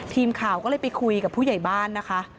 ทีมข่าวก็เลยไปคุยกับผู้ใหญ่บ้านนะคะ